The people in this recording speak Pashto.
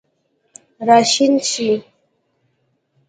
راشین شي